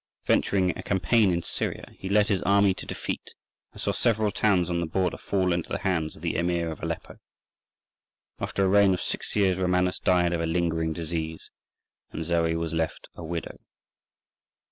Venturing a campaign in Syria, he led his army to defeat, and saw several towns on the border fall into the hands of the Emir of Aleppo. After a reign of six years Romanus died of a lingering disease, and Zoe was left a widow.